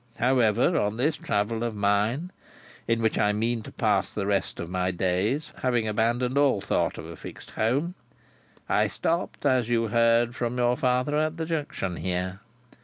However, on this travel of mine (in which I mean to pass the rest of my days, having abandoned all thought of a fixed home), I stopped, as you heard from your father, at the Junction here.